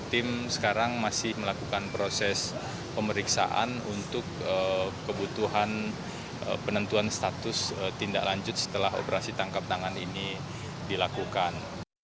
tim sekarang masih melakukan proses pemeriksaan untuk kebutuhan penentuan status tindak lanjut setelah operasi tangkap tangan ini dilakukan